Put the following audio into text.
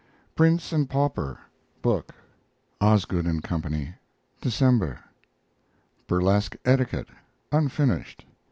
PRINCE AND PAUPER book (Osgood R; CO.), December. BURLESQUE ETIQUETTE (unfinished).